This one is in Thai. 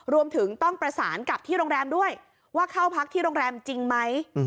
รวมถึงต้องประสานกับที่โรงแรมด้วยว่าเข้าพักที่โรงแรมจริงไหม